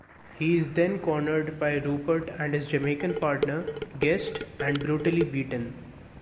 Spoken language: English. He is then cornered by Rupert and his Jamaican partner, Guest, and brutally beaten.